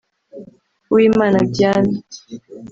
Uwimana Diane